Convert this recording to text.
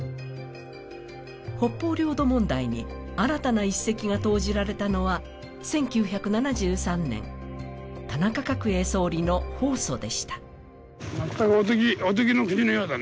北方領土問題に新たな一石が投じられたのは１９７３年、田中角栄総理の訪ソでした。